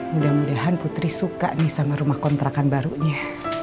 mudah mudahan putri suka nih sama rumah kontrakan barunya